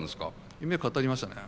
夢語りましたね。